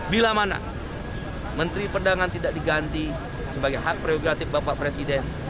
bila mana menteri perdagangan tidak diganti sebagai hak prerogatif bapak presiden